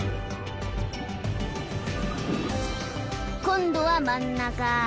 「今度は真ん中。